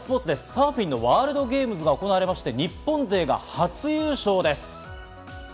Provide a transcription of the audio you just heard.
サーフィンのワールドゲームズが行われて日本勢が初優勝です。